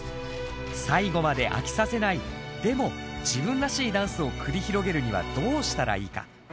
最後まで飽きさせないでも自分らしいダンスを繰り広げるにはどうしたらいいか？